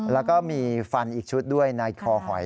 แล้วก็มีฟันอีกชุดด้วยในคอหอย